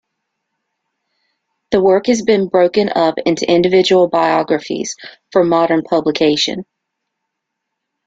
The work has been broken up into individual biographies for modern publication.